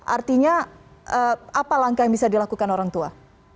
artinya apa langkah yang bisa dilakukan orang tua